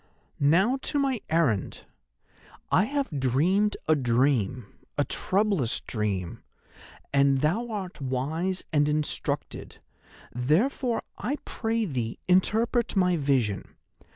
"'Now to my errand. I have dreamed a dream, a troublous dream, and thou art wise and instructed, therefore I pray thee interpret my vision.